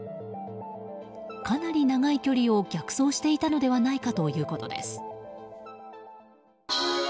かなり長い距離を逆走していたのではないかということです。